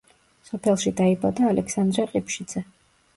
სოფელში დაიბადა ალექსანდრე ყიფშიძე.